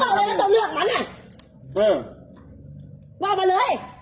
มึงดีแหละหัวมึง